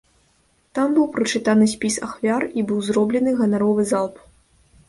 Там быў прачытаны спіс ахвяр і быў зроблены ганаровы залп.